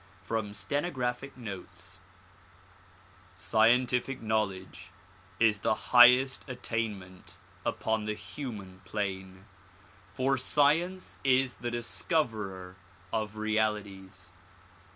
From Stenographic Notes SCIENTIFIC knowledge is the highest attainment upon the human plane; for science is the discoverer of realities.